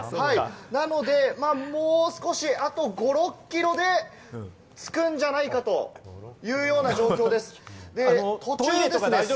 なのでもう少し、あと５６キロで着くんじゃないかというような状況です。